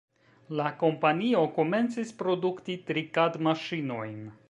La kompanio komencis produkti trikad-maŝinojn.